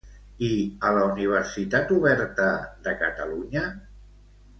I a la Universitat Oberta de Catalunya?